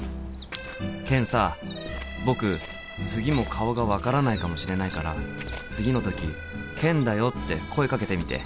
ケンさ僕次も顔が分からないかもしれないから次の時「ケンだよ」って声かけてみて。